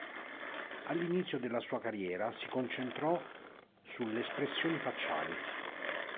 All'inizio della sua carriera si concentrò sulle espressioni facciali.